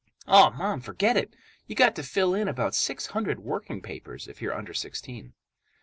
"Aw, Mom, forget it! You got to fill in about six hundred working papers if you're under sixteen.